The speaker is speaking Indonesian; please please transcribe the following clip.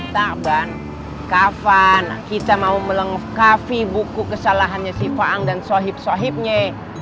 tarban kavan kita mau melengkapi buku kesalahannya si faang dan sohib sohibnya